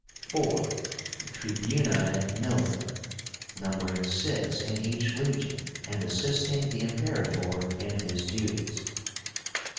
4. The TRIBÚNI MILITUM, numbering six in each legion, and assisting the Imperator in his duties.